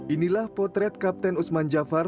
inilah potret kapten usman jafar